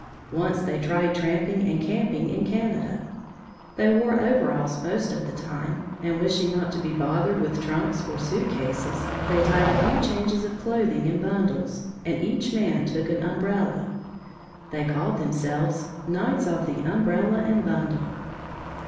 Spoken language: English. Once they tried tramping and camping in Canada. They wore overalls most of the time, and wishing not to be bothered with trunks or suitcases, they tied a few changes of clothing in bundles, and each man took an umbrella. They called themselves "Knights of the Umbrella and Bundle."